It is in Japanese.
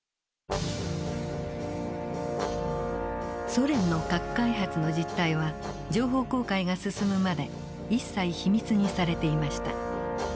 ソ連の核開発の実態は情報公開が進むまで一切秘密にされていました。